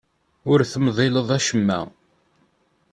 Ur temḍileḍ acemma.